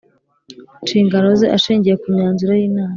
nshingano ze ashingiye ku myanzuro y Inama